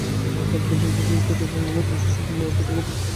রাত পর্যন্ত ভিড়, পূজা প্রাঙ্গণে জলসা—সব মিলিয়ে অনেকটা দুর্গাপূজার চেহারা নেয়।